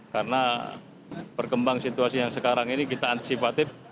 karena berkembang situasi yang sekarang ini kita antisipatif